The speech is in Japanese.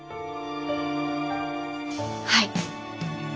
はい。